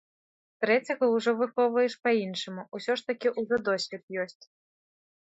Трэцяга ўжо выхоўваеш па-іншаму, усё ж такі ўжо досвед ёсць.